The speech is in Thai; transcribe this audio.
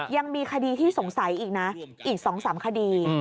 ยังมีคดีที่สงสัยอีกนะอีก๒๓คดี